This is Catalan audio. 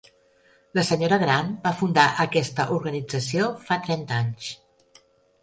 La senyora gran va fundar aquesta organització fa trenta anys.